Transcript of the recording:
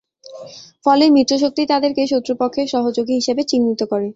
ফলে মিত্রশক্তি তাদেরকে শত্রুপক্ষের সহযোগী হিসেবে চিহ্নিত করে।